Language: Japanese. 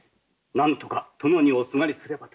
なんとか殿におすがりすればと。